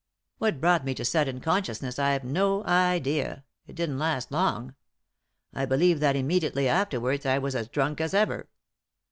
What brought me to sudden consciousness I've no idea ; it didn't last long ; I believe that immediately afterwards I was as drunk as ever.